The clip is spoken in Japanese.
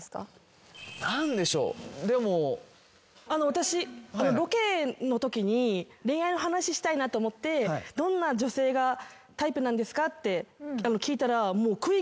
私ロケのときに恋愛の話したいなと思ってどんな女性がタイプなんですか？って聞いたら食い気味で。